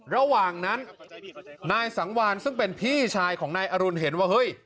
ระหว่างนั้นนายสังวานซึ่งเป็นพี่ชายของนายอรุณเห็นว่าเฮ้ย